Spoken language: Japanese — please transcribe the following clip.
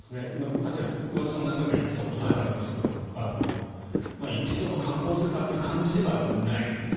確かに私も何回か行ったことがありますが行って観光するかという感じではないですね。